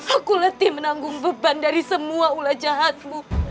aku letih menanggung beban dari semua ulah jahatmu